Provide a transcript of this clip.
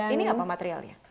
ini apa materialnya